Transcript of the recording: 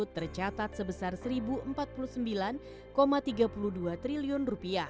tercatat sebesar rp satu empat puluh sembilan tiga puluh dua triliun